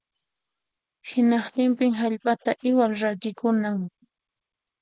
Hinantinpin hallp'aqa iwal rakikunan